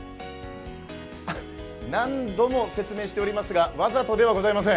何度も説明しておりますが、わざとではごぜいません。